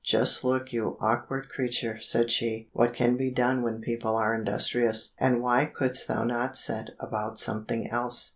"Just look, you awkward creature," said she, "what can be done when people are industrious; and why couldst thou not set about something else?